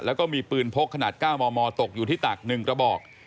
แล้วก็มีปืนพกขนาด๙มมตกอยู่ที่ตัก๑กระบอก